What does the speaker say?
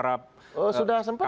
oh sudah sempat